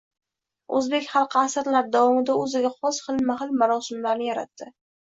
o’zbek xalqi asrlar davomida o’ziga xos xilma-xil marosimlarni yaratdi.